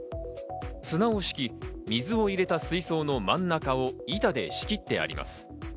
砂を敷き、水を入れた水槽の真ん中を板で仕切ってあります。